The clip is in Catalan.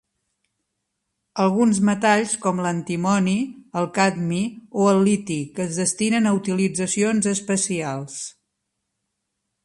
Alguns metalls com l'antimoni, el cadmi o el liti que es destinen a utilitzacions especials.